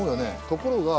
ところが。